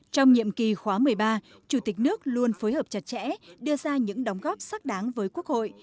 trong nhiệm kỳ khóa một mươi ba chủ tịch nước luôn phối hợp chặt chẽ đưa ra những đóng góp xác đáng với quốc hội